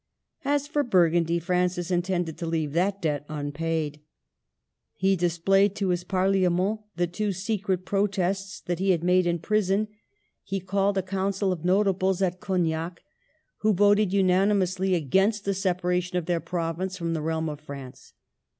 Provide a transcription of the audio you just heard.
As for Burgundy, Fran cis intended to leave that debt unpaid. He dis played to his Parliament the two secret protests that he had made in prison ; he called a Council QUEEN OF NAVARRE. II9 of Notables at Cognac, who voted unanimously against the separation of their province from the realm of France.